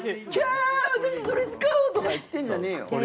「キャー私それ使う！」とか言ってんじゃねえよ。